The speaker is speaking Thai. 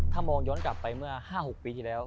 ถ้ามองย้อนกลับไปเมื่อ๕๖ปีที่แล้ว